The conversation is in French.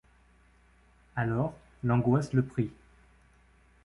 Alors l’angoisse le prit.